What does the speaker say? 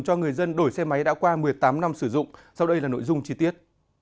cho người dân đổi xe máy đã qua một mươi tám năm sử dụng sau đây là nội dung chi tiết